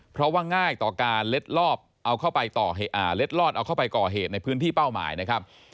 เพราะว่าง่ายต่อการเล็ดลอบเอาเล็ดลอดเอาเข้าไปก่อเหตุในพื้นที่เป้าหมายนะครับ